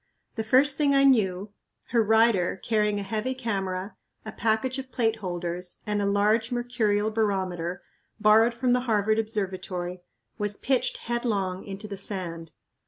The first thing I knew, her rider, carrying a heavy camera, a package of plate holders, and a large mercurial barometer, borrowed from the Harvard Observatory, was pitched headlong into the sand.